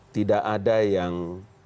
tidak ada yang